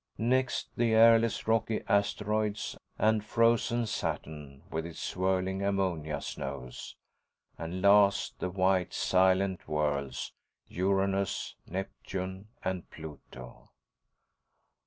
Next, the airless, rocky asteroids, and frozen Saturn with its swirling ammonia snows. And last, the white, silent worlds, Uranus, Neptune, and Pluto.